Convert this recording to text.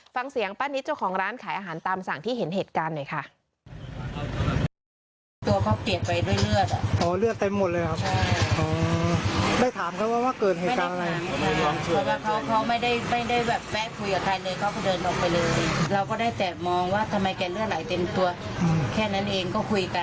ฟังเสียงป้านิตเจ้าของร้านขายอาหารตามสั่งที่เห็นเหตุการณ์หน่อยค่ะ